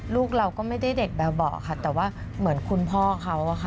ลูกเราก็ไม่ได้เด็กแบบเบาะค่ะแต่ว่าเหมือนคุณพ่อเขาอะค่ะ